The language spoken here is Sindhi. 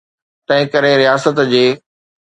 تنهنڪري رياست جي.